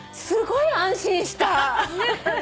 すごい安心した。